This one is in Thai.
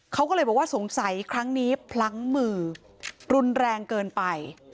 เขาก็เลยบอกว่าสงสัยครั้งนี้พลั้งมือรุนแรงเกินไป